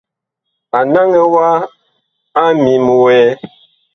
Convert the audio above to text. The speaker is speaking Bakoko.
A naŋɛ wa a ŋmim wɛɛ.